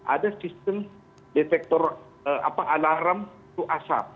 ada sistem detektor alarm untuk asap